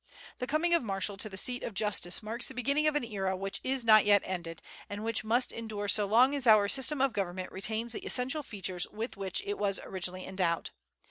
The coming of Marshall to the seat of justice marks the beginning of an era which is not yet ended, and which must endure so long as our system of government retains the essential features with which it was originally endowed.